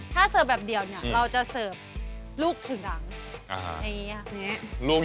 ถ้าเสิร์ฟแบบเดี่ยวเนี่ยเราจะเสิร์ฟลูกถึงดัง